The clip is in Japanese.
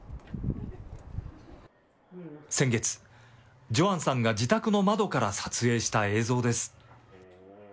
先月、ジョアンさんが自宅の窓から撮影した映像です。